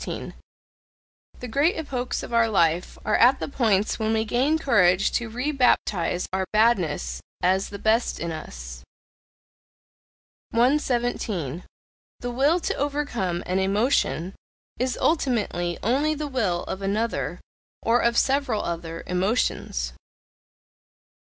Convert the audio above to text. The great epochs of our life are at the points when we gain courage to rebaptize our badness as the best in us. 117. The will to overcome an emotion, is ultimately only the will of another, or of several other, emotions.